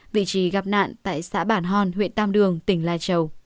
vị trí gặp nạn tại xã bản hòn huyện tam đường tỉnh lai châu